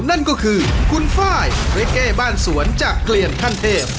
นั่นก็คือคุณฟ้ายเรเก้บ้านสวนจากเกลี่ยนท่านเทพ